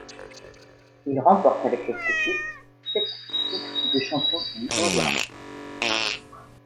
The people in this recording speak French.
Il remporte avec cette équipe sept titres de champion du Honduras.